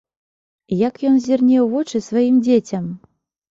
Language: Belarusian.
Як ён зірне ў вочы сваім дзецям?